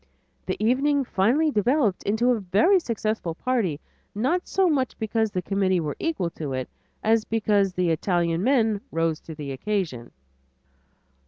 The evening finally developed into a very successful party, not so much because the committee were equal to it, as because the Italian men rose to the occasion.